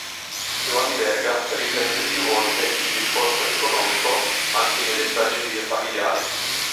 Giovanni Verga riprende più volte il discorso economico, anche nelle tragedie familiari.